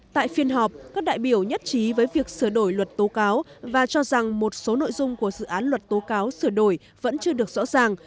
tại phiên họp các đại biểu nhất trí với việc sửa đổi luật tố cáo và cho rằng một số nội dung của dự án luật tố cáo sửa đổi vẫn chưa được rõ ràng